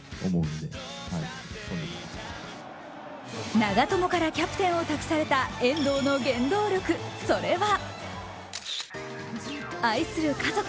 長友からキャプテンを託された遠藤の原動力、それは愛する家族。